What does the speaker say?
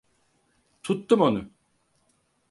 Tuttum onu.